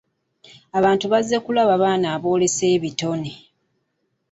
Abantu bazze kulaba baana aboolesa ebitone.